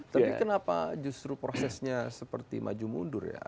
tapi kenapa justru prosesnya seperti maju mundur ya